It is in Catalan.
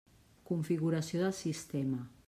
Configuració del sistema.